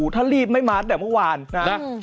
ถ้ารีบไม่มาตั้งแต่เมื่อวานนะ